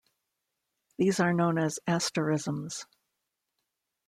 These are known as "asterisms".